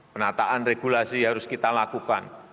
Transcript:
penataan regulasi harus kita lakukan